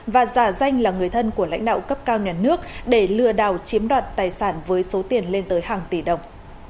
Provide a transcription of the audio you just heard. và giả danh là người thân của lãnh đạo cấp cao nhà nước để lừa đảo chiếm đoạt tài sản với số tiền lên tới hàng tỷ đồng